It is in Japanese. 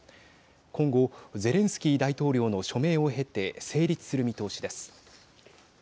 今後、ゼレンスキー大統領の署名を経て成立する見通しです。